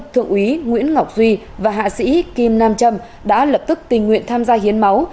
thượng úy nguyễn ngọc duy và hạ sĩ kim nam trâm đã lập tức tình nguyện tham gia hiến máu